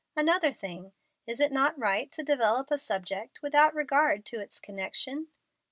Another thing, it is not right to develop a subject without regard to its connection.